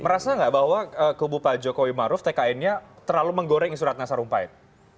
merasa nggak bahwa kebupak jokowi maruf tkn nya terlalu menggoreng isu rata sarumpait